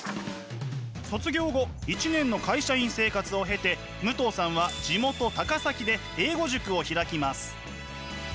卒業後１年の会社員生活を経て武藤さんは地元高崎で英語塾を開きます。